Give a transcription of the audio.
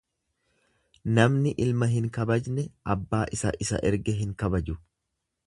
Namni ilma hin kabajne abbaa isa isa erge hin kabaju.